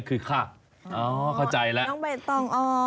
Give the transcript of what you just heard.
ก็คือค่ะอ็อเข้าใจน้องใบตองอ่อ